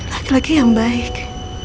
laki laki yang baik